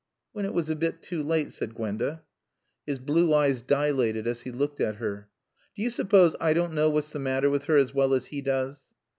"When it was a bit too late," said Gwenda. His blue eyes dilated as he looked at her. "Do you suppose I don't know what's the matter with her as well as he does?"